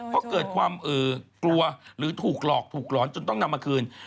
เพราะเกิดความกลัวหรือถูกหลอกถูกหลอนจนต้องนำมาคืน